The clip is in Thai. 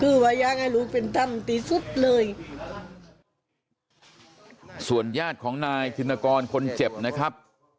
คือว่าอยากให้ลูกเป็นธรรมที่สุดเลยส่วนญาติของนายธินกรคนเจ็บนะครับ